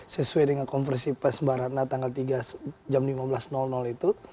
sesuai dengan konversi pers mbak ratna tanggal tiga jam lima belas itu